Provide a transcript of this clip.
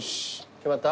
決まった？